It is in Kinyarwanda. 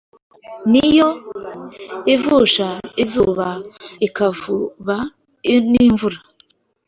Ni yo ivusha izuba ikavuba n’imvura.